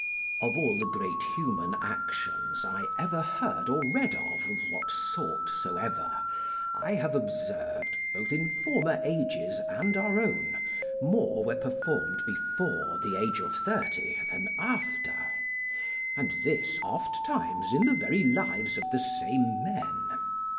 Of all the great human actions I ever heard or read of, of what sort soever, I have observed, both in former ages and our own, more were performed before the age of thirty than after; and this ofttimes in the very lives of the same men.